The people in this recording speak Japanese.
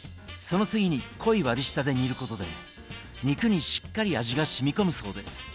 その次に濃い割り下で煮ることで肉にしっかり味がしみこむそうです。